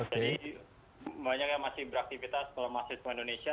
jadi banyak yang masih beraktivitas kalau masih ke indonesia